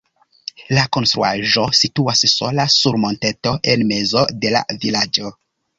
La konstruaĵo situas sola sur monteto en mezo de la vilaĝo.